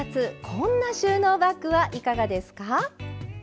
こんな収納バッグはいかがですか？